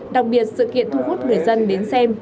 đặc biệt sự kiện thu hút người dân đến xem